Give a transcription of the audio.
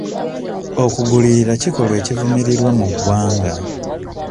okugulirira kikolwa ekivumirirwa mu ggwanga.